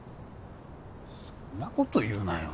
そんなこと言うなよ。